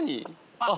あっ！